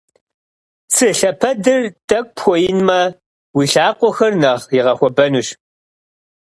Цы лъэпэдыр тӏэкӏу пхуэинмэ, уи лъакъуэхэр нэхъ игъэхуэбэнущ.